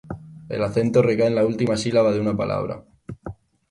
El acento recae en la última sílaba de una palabra.